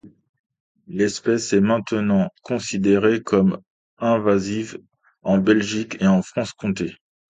L'espèce est maintenant considérée comme invasive en Belgique et en Franche-Comté.